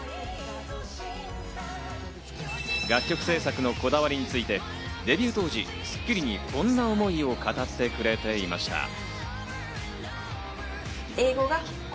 楽曲制作のこだわりについて、デビュー当時『スッキリ』にこんな思いを語ってくれていました。